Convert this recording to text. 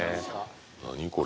何これ？